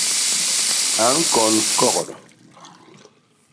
A ñkon kogdo.